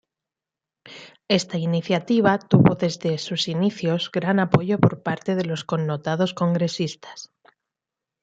Esta iniciativa obtuvo desde sus inicios gran apoyo por parte de connotados congresistas.